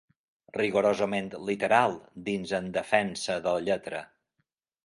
«Rigorosament Literal» dins En defensa de la lletra.